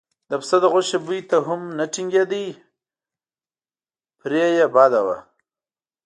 د پسه د غوښې بوی ته هم نه ټینګېده پرې یې بده وه.